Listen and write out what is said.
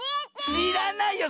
しらないよ